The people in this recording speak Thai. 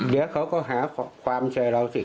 เดี๋ยวเขาก็หาความแชร์เราสิ